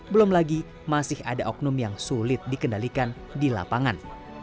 belum lagi masih ada oknum yang sulit dikendalikan di lapangan